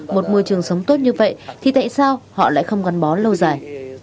một môi trường sống tốt như vậy thì tại sao họ lại không gắn bó lâu dài